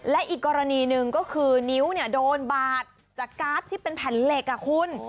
และอีกกรณีหนึ่งก็คือนิ้วโดนบาดจากการ์ดที่เป็นแผ่นเหล็กคุณ